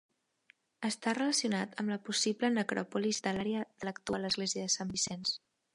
Està relacionat amb la possible necròpolis de l'àrea de l'actual església de Sant Vicenç.